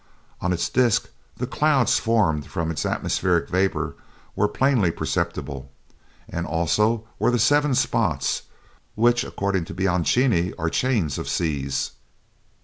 On its disc the clouds formed from its atmospheric vapor were plainly perceptible, as also were the seven spots, which, according to Bianchini, are a chain of seas.